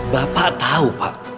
bapak tahu pak